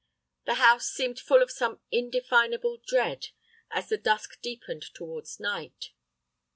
The house seemed full of some indefinable dread as the dusk deepened towards night.